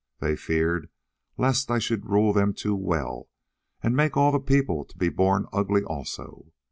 They feared lest I should rule them too well and make all the people to be born ugly also.